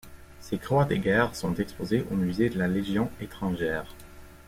Ses croix de guerre sont exposées au Musée de la Légion étrangère.